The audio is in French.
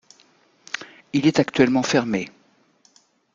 Il est actuellement fermé.